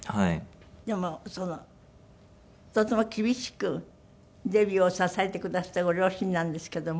でもとても厳しくデビューを支えてくだすったご両親なんですけども。